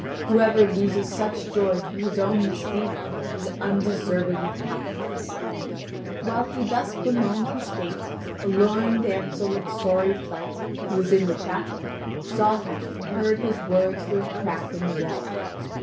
Whoever loses such joy through his own misdeed is undeserving of happiness." (Vv. 3563 3898.) While he thus bemoaned his fate, a lorn damsel in sorry plight, who was in the chapel, saw him and heard his words through a crack in the wall.